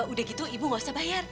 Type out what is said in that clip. udah gitu ibu gak usah bayar